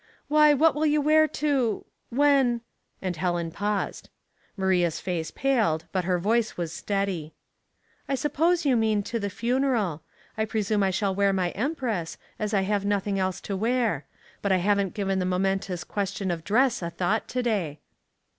" Why, what will you wear to — when —" and Helen paused. Maria's face paled, but her voice was steady. " I suppose you mean to the funeral. I pre sume I shall wear my empress, as I have nothing else to wear ; but I haven't given the moment ous question of dress a thought to day."